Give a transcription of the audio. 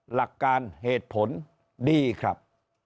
หลักการเหตุผลดีครับ